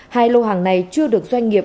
hai lô hàng này chưa được doanh nghiệp